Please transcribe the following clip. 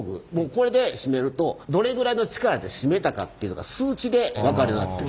これで締めるとどれぐらいの力で締めたかっていうのが数値で分かるようになってる。